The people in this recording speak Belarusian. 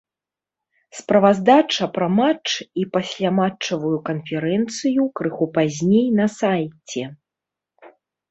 Справаздача пра матч і пасляматчавую канферэнцыю крыху пазней на сайце.